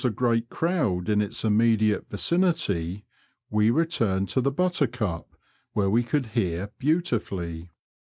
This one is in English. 29 a great crowd in its immediate vicinity, we returned to the Buttercup, where we could hear beautifully.